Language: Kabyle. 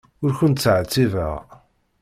Ur ken-ttɛettibeɣ.